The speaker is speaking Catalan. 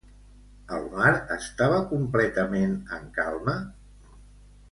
El mar estava completament en calma?